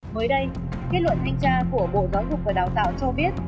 mới đây kết luận thanh tra của bộ giáo dục và đào tạo cho biết